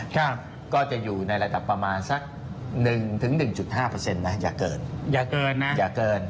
แต่เห็นเลข๒กว่าอย่างนี้